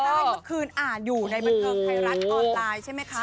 ใช่เมื่อคืนอ่านอยู่ในบันเทิงไทยรัฐออนไลน์ใช่ไหมคะ